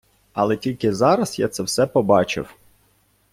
Але тільки зараз я це все побачив